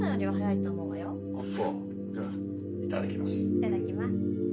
いただきます。